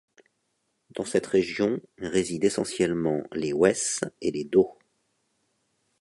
Dans cette région, résident essentiellement les Wés et les Do.